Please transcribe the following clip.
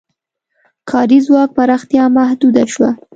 کاري ځواک پراختیا محدوده شوه.